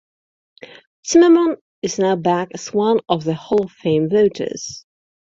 Zimmerman is now back in as one of the Hall of Fame voters.